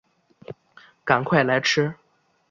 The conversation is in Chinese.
赶快来吃